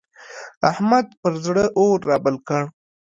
احمد پر زړه اور رابل کړ.